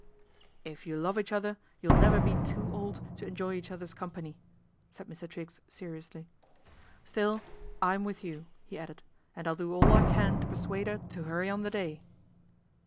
" If you love each other you'll never be too old to enjoy each other's company," said Mr. Triggs seriously. " Still, I'm with you," he added, " and I'll do all I can to persuade 'er to hurry on the day."